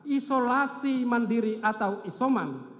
isolasi mandiri atau isoman